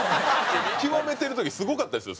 極めてる時すごかったですよ。